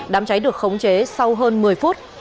đám cháy được khống chế sau hơn một mươi phút